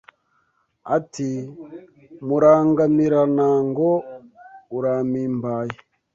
Ati Murangamirantango, urampimbaye